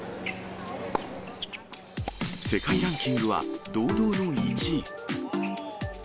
世界ランキングは堂々の１位。